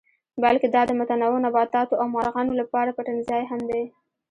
بلکې دا د متنوع نباتاتو او مارغانو لپاره پټنځای هم دی.